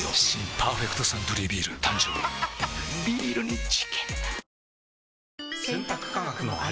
新「パーフェクトサントリービール」誕生はっはっは！